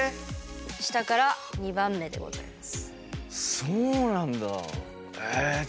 下から２番目でございます。